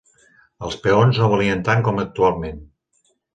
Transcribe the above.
Els peons no valien tant com actualment.